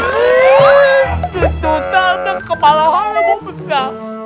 di tutang dan kepala saya mau besar